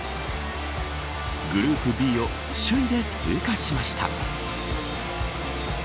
グループＢを首位で通過しました。